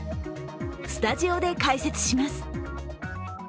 スタジオで解説します。